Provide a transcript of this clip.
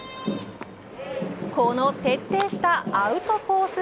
この徹底したアウトコース